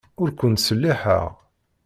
Ur ken-ttselliḥeɣ.